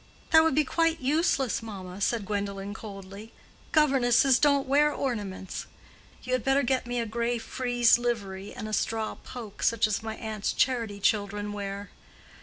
"That would be quite useless, mamma," said Gwendolen, coldly. "Governesses don't wear ornaments. You had better get me a gray frieze livery and a straw poke, such as my aunt's charity children wear."